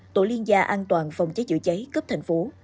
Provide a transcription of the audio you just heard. tổ liên gia an toàn phòng cháy chữa cháy cấp thành phố